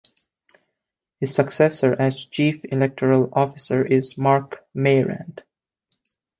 His successor as Chief Electoral Officer is Marc Mayrand.